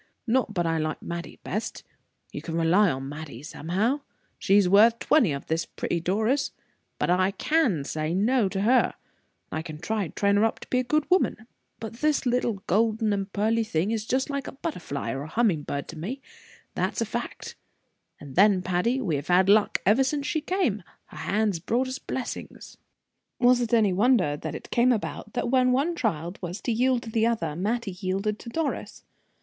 "Not but I like Mattie best. You can rely on Mattie, somehow: she's worth twenty of this pretty Doris; but I can say 'no' to her, and I can try to train her up to be a good woman; but this little golden and pearly thing is just like a butterfly or a humming bird to me, that's a fact. And then, Patty, we have had luck ever since she came; her hands brought us blessings." Was it any wonder that it came about that when one child was to yield to the other, Mattie yielded to Doris?